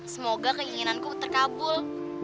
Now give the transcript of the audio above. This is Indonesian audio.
juga keinginanku terkabul